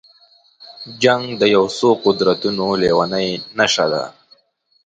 جنګ د یو څو قدرتونو لېونۍ نشه ده.